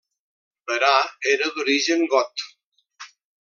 Berà era d'origen got.